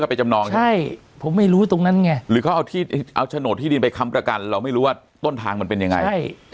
ไปจำนองใช่ไหมใช่ผมไม่รู้ตรงนั้นไงหรือเขาเอาที่เอาโฉนดที่ดินไปค้ำประกันเราไม่รู้ว่าต้นทางมันเป็นยังไงใช่